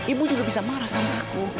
ibu juga bisa marah sama aku